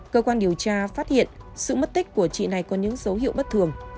cơ quan điều tra phát hiện sự mất tích của chị này có những dấu hiệu bất thường